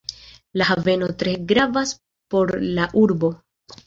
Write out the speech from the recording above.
La haveno tre gravas por la urbo.